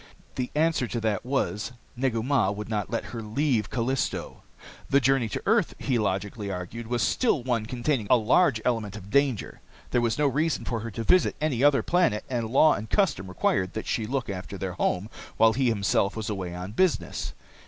The answer to that was Negu Mah would not let her leave Callisto. The journey to earth, he logically argued, was still one containing a large element of danger. There was no reason for her to visit any other planet, and law and custom required that she look after their home while he himself was away on business.